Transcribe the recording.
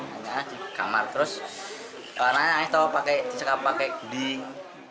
anaknya di kamar terus anaknya itu pakai nyekap pakai keding